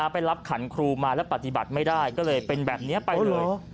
ไปรับขันครูมาแล้วปฏิบัติไม่ได้ก็เลยเป็นแบบนี้ไปเลย